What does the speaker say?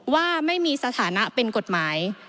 ว่าไม่มีสถานะเป็นกฎหมาย